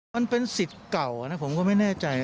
มันเป็นสิทธิ์เก่านะผมก็ไม่แน่ใจ